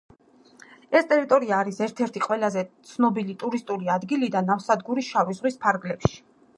ეს ტერიტორია არის ერთ-ერთი ყველაზე ცნობილი ტურისტული ადგილი და ნავსადგური შავი ზღვის ფარგლებში.